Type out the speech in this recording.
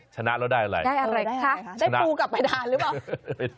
ชนะแล้วได้อะไรได้อะไรนะคะได้ปูกลับไปทานหรือเปล่า